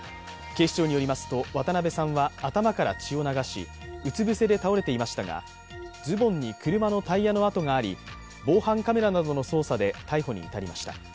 警視庁によりますと渡辺さんは頭から血を流し、うつぶせで倒れていましたが、ズボンに車のタイヤの痕があり防犯カメラなどの捜査で逮捕に至りました。